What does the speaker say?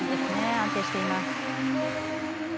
安定しています。